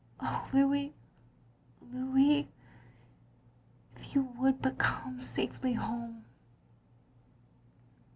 Oh, Louis, Louis — ^if you would but come safely home.